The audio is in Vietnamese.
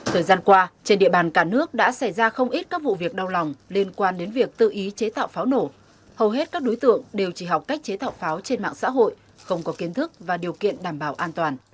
thời gian qua trên địa bàn cả nước đã xảy ra không ít các vụ việc đau lòng liên quan đến việc tự ý chế tạo pháo nổ hầu hết các đối tượng đều chỉ học cách chế tạo pháo trên mạng xã hội không có kiến thức và điều kiện đảm bảo an toàn